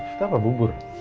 ini apa bubur